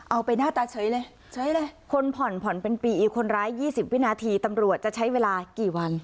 เอาไปหน้าตาเฉยเลยเฉยเลยคนผ่อนผ่อนเป็นปีอีกคนร้าย๒๐วินาทีตำรวจจะใช้เวลากี่วัน